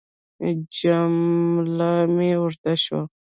جمله مې اوږده شوه.